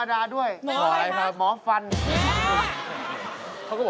สวัสดีครับ